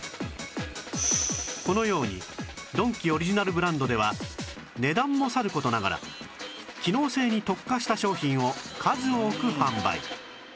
このようにドンキオリジナルブランドでは値段もさる事ながら機能性に特化した商品を数多く販売